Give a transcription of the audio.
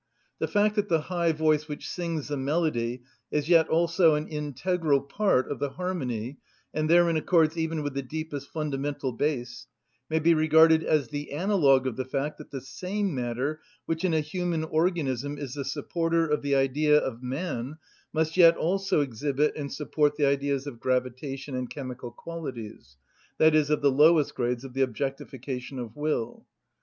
The fact that the high voice which sings the melody is yet also an integral part of the harmony, and therein accords even with the deepest fundamental bass, may be regarded as the analogue of the fact that the same matter which in a human organism is the supporter of the Idea of man must yet also exhibit and support the Ideas of gravitation and chemical qualities, that is, of the lowest grades of the objectification of will.